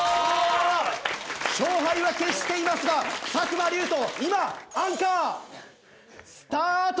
勝敗は決していますが作間龍斗今アンカースタート！